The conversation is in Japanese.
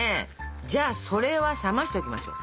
じゃあそれは冷ましておきましょう。